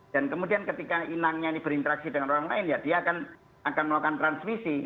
dan kemudian ketika inangnya ini berinteraksi dengan orang lain ya dia akan melakukan transmisi